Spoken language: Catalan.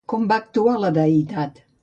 Com va actuar la deïtat?